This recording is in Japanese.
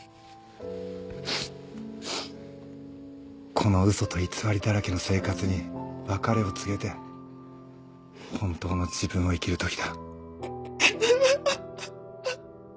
この嘘と偽りだらけの生活に別れを告げて本当の自分を生きるときだ。